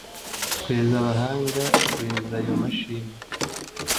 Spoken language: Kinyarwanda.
gwiza aba bahanga, gwiza ayo mashimwe,